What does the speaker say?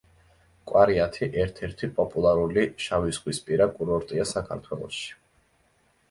კვარიათი ერთ-ერთი პოპულარული შავიზღვისპირა კურორტია საქართველოში.